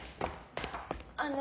あの。